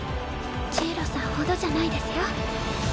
ジイロさんほどじゃないですよ。